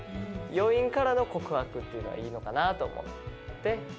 余韻からの告白っていうのがいいのかなと思って。